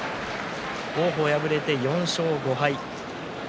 王鵬、敗れて４勝５敗。